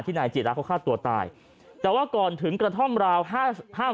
นายจีระเขาฆ่าตัวตายแต่ว่าก่อนถึงกระท่อมราวห้าห้า